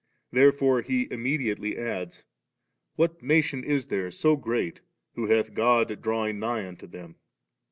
Therefore he immediately adds, * What nation is there so great who hath God drawing nigh unto them 3